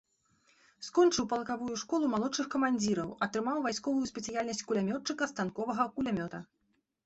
Скончыў палкавую школу малодшых камандзіраў, атрымаў вайсковую спецыяльнасць кулямётчыка станковага кулямёта.